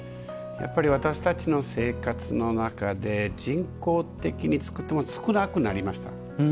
やっぱり私たちの生活の中で人工的に作ったものは少なくなりました。